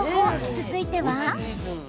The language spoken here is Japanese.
続いては。